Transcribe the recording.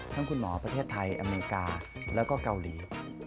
คุณหมอประเทศไทยอเมริกาแล้วก็เกาหลี